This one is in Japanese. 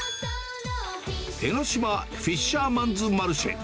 江の島フィッシャーマンズマルシェ。